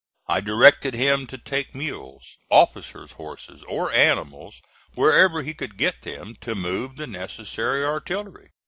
I directed him to take mules, officers' horses, or animals wherever he could get them to move the necessary artillery.